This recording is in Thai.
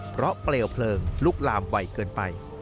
เพราะเปลวเพลิงลุกลามไวเกินไป